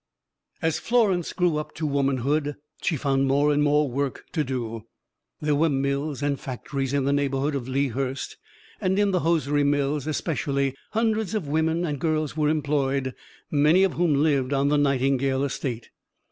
As Florence grew up to womanhood she found more and more work to do. There were mills and factories in the neighborhood of Lea Hurst; and in the hosiery mills, especially, hundreds of women and girls were employed, many of whom lived on the Nightingale estate.